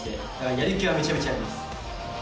やる気はめちゃめちゃあります。